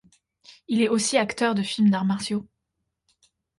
Il est aussi acteur de films d'arts martiaux.